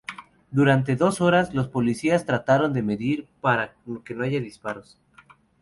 Durante dos horas, los policías trataron de mediar para que no haya disparos.